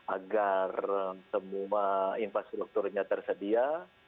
agar semua infrastrukturnya tersedia